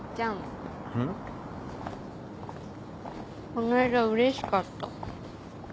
この間うれしかった。